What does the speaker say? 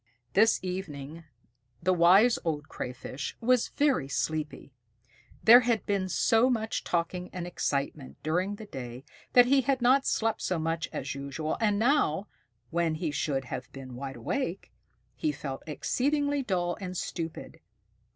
This evening the Wise Old Crayfish was very sleepy. There had been so much talking and excitement during the day that he had not slept so much as usual; and now, when he should have been wide awake, he felt exceedingly dull and stupid.